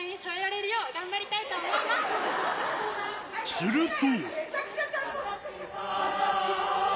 すると。